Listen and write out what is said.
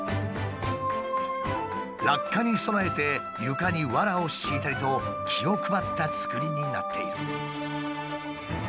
落下に備えて床にわらを敷いたりと気を配ったつくりになっている。